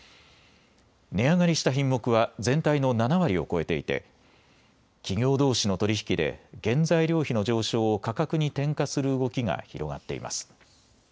値上がりした品目は全体の７割を超えていて企業どうしの取り引きで原材料費の上昇を価格に転嫁する動きが広がっています。